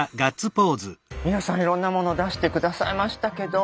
皆さんいろんなもの出して下さいましたけど。